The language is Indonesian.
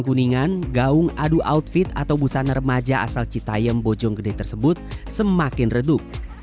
kawasan kuningan gaung adu outfit atau busan remaja asal citayam bojong gede tersebut semakin redup